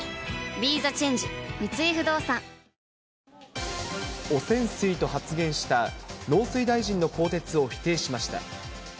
ＢＥＴＨＥＣＨＡＮＧＥ三井不動産汚染水と発言した農水大臣の更迭を否定しました。